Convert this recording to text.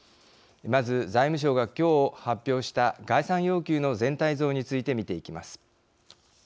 まず、財務省が今日、発表した概算要求の全体像について見ていきます。